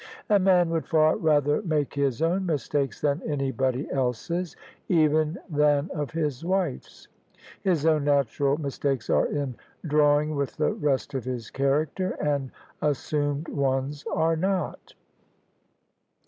A man would far rather make his own mistakes than any body else's — even than of his wife's. His ovm natural mis takes are in drawing with the rest of his character, and assumed ones are not."